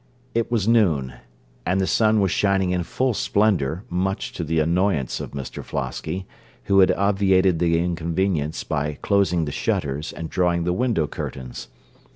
It was noon, and the sun was shining in full splendour, much to the annoyance of Mr Flosky, who had obviated the inconvenience by closing the shutters, and drawing the window curtains.